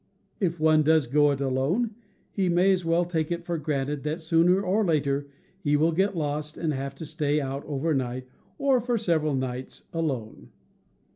If one does go it alone, he may as well take it for granted that, sooner or later, he will get lost and have to stay out over night, or for several nights, alone.